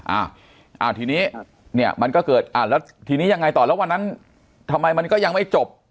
อ้าวทีนี้เนี่ยมันก็เกิดอ่าแล้วทีนี้ยังไงต่อแล้ววันนั้นทำไมมันก็ยังไม่จบ